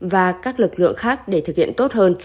và các lực lượng khác để thực hiện tốt hơn